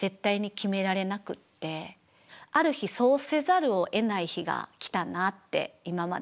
ある日そうせざるをえない日が来たなって今まで。